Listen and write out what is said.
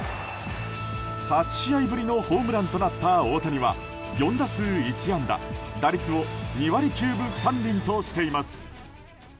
８試合ぶりのホームランとなった大谷は４打数１安打打率を２割９分３厘としています。